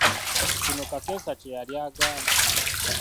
Kino kakensa kye yali agamba.